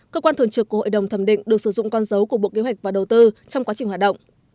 cơ quan thường trực của hội đồng thẩm định được sử dụng con dấu của bộ kế hoạch và đầu tư trong quá trình hoạt động